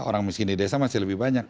orang miskin di desa masih lebih banyak